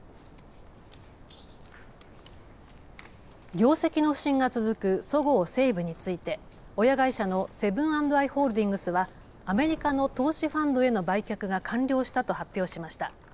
業績の不振が続くそごう・西武について親会社のセブン＆アイ・ホールディングスはアメリカの投資ファンドへの売却が完了したと発表しました。